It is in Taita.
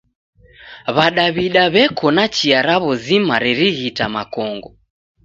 W'adaw'da w'eko na chia raw'o zima rerighita makongo.